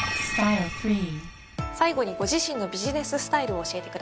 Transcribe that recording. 最後にご自身のビジネススタイルを教えてください。